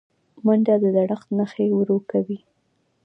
منډه د زړښت نښې ورو کوي